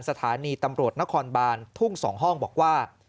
สถานีตำรวจนครบานทุ่ง๒ห้องบอกว่า